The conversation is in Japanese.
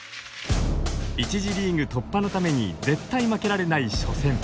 １次リーグ突破のために絶対負けられない初戦。